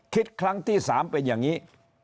ครั้งที่๓เป็นอย่างนี้